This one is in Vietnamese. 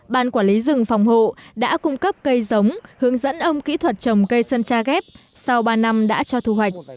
ban quản lý rừng phòng hộ đã cung cấp cây giống hướng dẫn ông kỹ thuật trồng cây sơn tra ghép sau ba năm đã cho thu hoạch